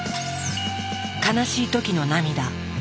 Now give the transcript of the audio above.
悲しい時の涙。